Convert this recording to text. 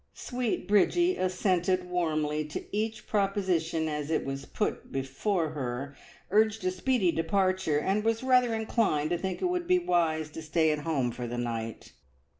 Sweet Bridgie assented warmly to each proposition as it was put before her, urged a speedy departure, and was rather inclined to think it would be wise to stay at home for the night.